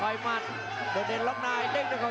ประโยชน์ทอตอร์จานแสนชัยกับยานิลลาลีนี่ครับ